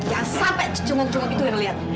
jangan sampai cengbet cenget itu yang liat